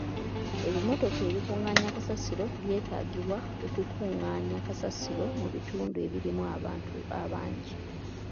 Ebimmotoka ebikungaanya kasasiro by'etaagibwa okukungaanya kasasiro mu bitundu ebirimu abantu abangi.